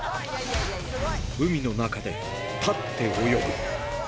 海の中で立って泳ぐ。